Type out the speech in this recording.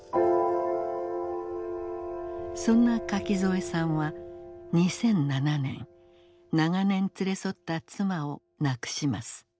そんな垣添さんは２００７年長年連れ添った妻を亡くします。